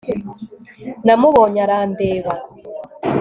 namubonye arandeba